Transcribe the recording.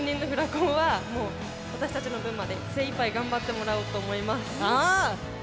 甲は私たちの分まで精いっぱい頑張ってもらおうと思います。